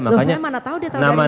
loh saya mana tahu dia tahu namanya